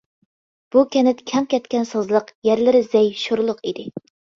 بۇ كەنت كەڭ كەتكەن سازلىق، يەرلىرى زەي، شورلۇق ئىدى.